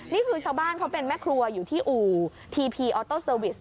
นี่คือชาวบ้านเขาเป็นแม่ครัวอยู่ที่อู่ทีพีออโต้เซอร์วิส